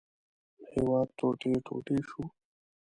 هېواد ټوټې ټوټې شو.